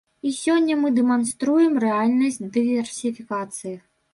І сёння мы дэманструем рэальнасць дыверсіфікацыі.